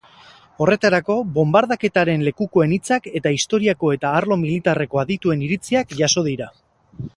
Horretarako bonbardaketaren lekukoen hitzak eta historiako eta arlo militarreko adituen iritziak jaso dira.